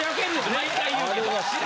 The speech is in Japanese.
毎回言うけど。